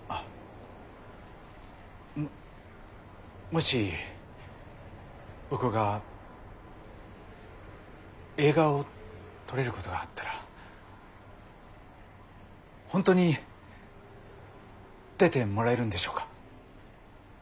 もし僕が映画を撮れることがあったら本当に出てもらえるんでしょうか？